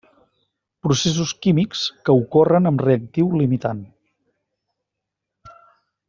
Processos químics que ocorren amb reactiu limitant.